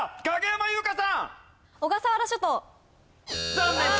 残念。